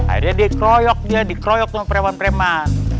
akhirnya dikroyok dia dikroyok sama preman preman